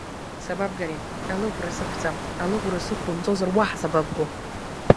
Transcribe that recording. Сабабгари, алыӷәра сықәҵа, алыӷәра сықәбымҵозар, уаҳа сабабго!